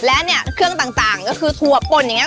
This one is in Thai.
และเนี่ยเครื่องต่างก็คือถั่วป่นอย่างนี้